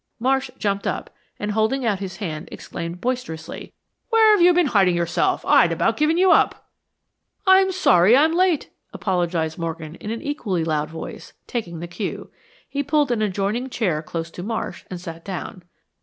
Marsh jumped up, and holding out his hand, exclaimed boisterously, "Where have you been hiding yourself? I'd about given you up." "I'm sorry I am late," apologized Morgan, in an equally loud voice, taking the cue. He pulled an adjoining chair close to Marsh and sat down.